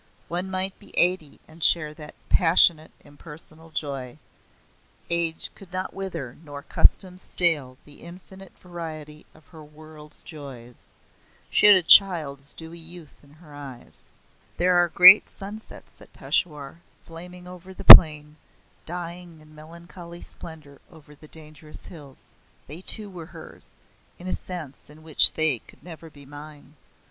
One might be eighty and share that passionate impersonal joy. Age could not wither nor custom stale the infinite variety of her world's joys. She had a child's dewy youth in her eyes. There are great sunsets at Peshawar, flaming over the plain, dying in melancholy splendour over the dangerous hills. They too were hers, in a sense in which they could never be mine.